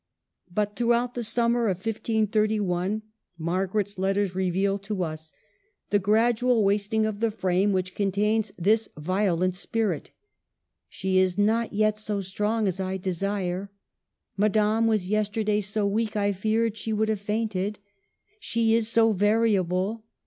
But throughout the summer of 1531, Margaret's letters reveal to us the gradual wasting THE SORBONNE. 143 of the frame which contains this violent spirit. '' She is not yet so strong as I desire." " Ma dame was yesterday so weak, I feared she would have fainted." " She is so variable."